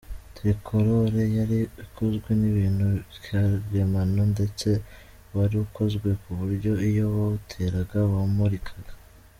Tricolore yari ikozwe n’ibintu karemano ndetse wari ukozwe ku buryo iyo wawuteraga wamurikaga.